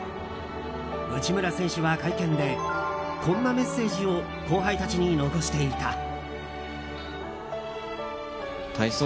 内村選手は会見でこんなメッセージを後輩たちに残していた。